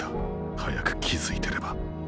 早く気付いてれば。